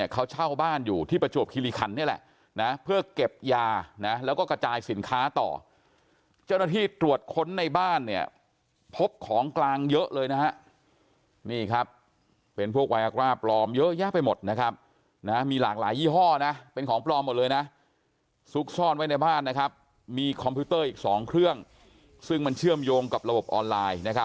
เขาเช่าบ้านอยู่ที่ประจวบคิริคันนี่แหละนะเพื่อเก็บยานะแล้วก็กระจายสินค้าต่อเจ้าหน้าที่ตรวจค้นในบ้านเนี่ยพบของกลางเยอะเลยนะฮะนี่ครับเป็นพวกไวอากร่าปลอมเยอะแยะไปหมดนะครับมีหลากหลายยี่ห้อนะเป็นของปลอมหมดเลยนะซุกซ่อนไว้ในบ้านนะครับมีคอมพิวเตอร์อีก๒เครื่องซึ่งมันเชื่อมโยงกับระบบออนไลน์